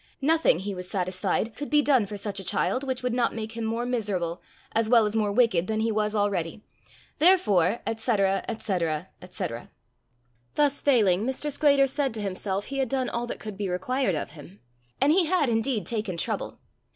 Nothing, he was satisfied, could be done for such a child, which would not make him more miserable, as well as more wicked, than he was already. Therefore, &c., &c., &c. Thus failing, Mr. Sclater said to himself he had done all that could be required of him and he had indeed taken trouble.